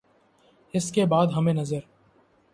اس کے بعد ہمیں نظر